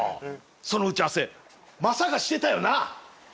その打ち合わせマサがしてたよな？